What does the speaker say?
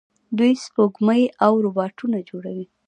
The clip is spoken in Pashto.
دوی سپوږمکۍ او روباټونه جوړوي.